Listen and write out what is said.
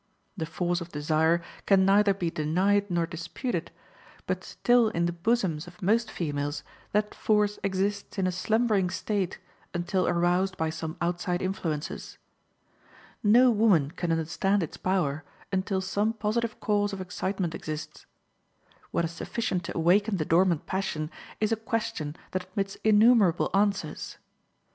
The force of desire can neither be denied nor disputed, but still in the bosoms of most females that force exists in a slumbering state until aroused by some outside influences. No woman can understand its power until some positive cause of excitement exists. What is sufficient to awaken the dormant passion is a question that admits innumerable answers.